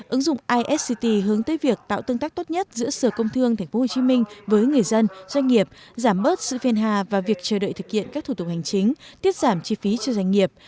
ứng dụng isct hướng tới việc tạo tương tác tốt nhất giữa sở công thương tp hcm với người dân doanh nghiệp giảm bớt sự phiền hà và việc chờ đợi thực hiện các thủ tục hành chính tiết giảm chi phí cho doanh nghiệp